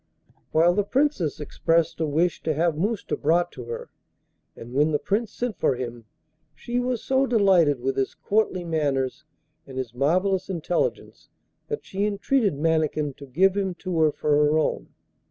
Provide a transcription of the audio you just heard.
While the Princess expressed a wish to have Mousta brought to her, and, when the Prince sent for him, she was so delighted with his courtly manners and his marvellous intelligence that she entreated Mannikin to give him to her for her own.